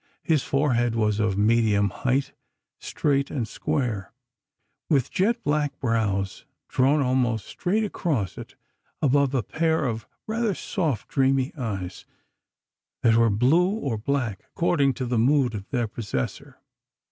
His forehead was of medium height, straight and square, with jet black brows drawn almost straight across it above a pair of rather soft, dreamy eyes that were blue or black according to the mood of their possessor.